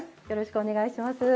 よろしくお願いします。